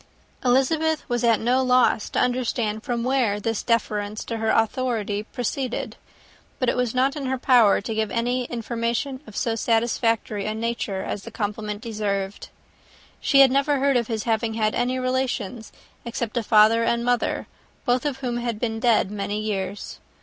Elizabeth was at no loss to understand from whence this deference for her authority proceeded; but it was not in her power to give any information of so satisfactory a nature as the compliment deserved. She had never heard of his having had any relations, except a father and mother, both of whom had been dead many years.